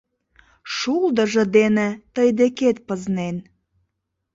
Шулдыржо дене тый декет пызнен...